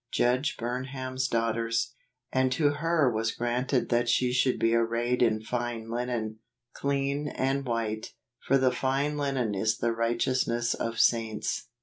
Judge Burnham's Daughters. " And to her was granted that she should be arrayed in fine linen, dean and white: for the fine linen is the righteousness of saints